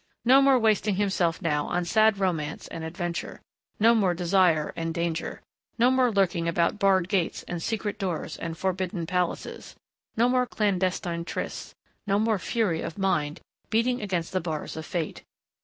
No more wasting himself now on sad romance and adventure. No more desire and danger. No more lurking about barred gates and secret doors and forbidden palaces. No more clandestine trysts. No more fury of mind, beating against the bars of fate.